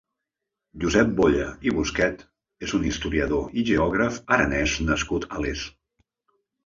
Jusèp Boya i Busquet és un historiador i geògraf aranès nascut a Les.